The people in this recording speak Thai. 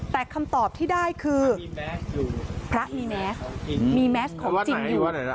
แต่คำตอบที่ได้คือพระมีแมสมีแมสของจริงอยู่